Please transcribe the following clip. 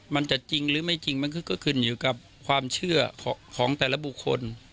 มันจะจริงหรือไม่จริงมันก็ขึ้นอยู่กับความเชื่อของแต่ละบุคคล